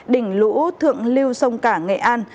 đỉnh lũ thượng lưu sông cả nghệ an